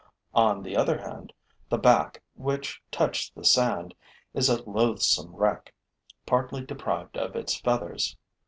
On the other hand, the back, which touched the sand, is a loathsome wreck, partly deprived of its feathers.